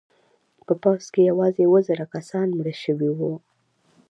په پوځ کې یوازې اوه زره کسان مړه شوي وو.